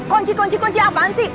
kunci kunci kunci apaan sih